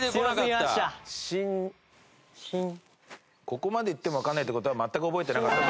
ここまで言ってもわかんないって事は全く覚えてなかった。